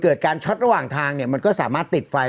เกิดการช็อตระหว่างทางเนี่ยมันก็สามารถติดไฟ